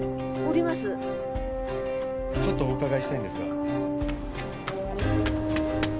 ちょっとお伺いしたいんですが。